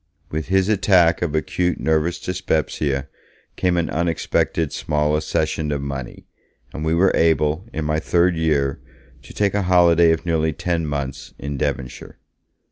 With his attack of acute nervous dyspepsia came an unexpected small accession of money, and we were able, in my third year, to take a holiday of nearly ten months in Devonshire.